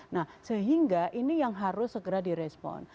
nah sehingga ini yang harus segera direspon